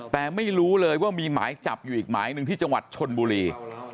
แต่ไม่รู้เลยว่ามีหมายจับอยู่อีกหมายหนึ่งที่จังหวัดชนบุรี